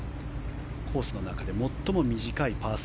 コースの中で最も短いパー３。